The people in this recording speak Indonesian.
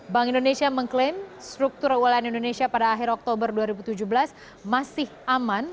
bank indonesia mengklaim struktur uln indonesia pada akhir oktober dua ribu tujuh belas masih aman